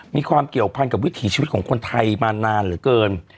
มีความเกี่ยวพันกับวิถีชีวิตของคนไทยมานานเหลือเกิน